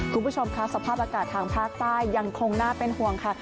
คุณผู้ชมค่ะสภาพอากาศทางภาคใต้ยังคงน่าเป็นห่วงค่ะ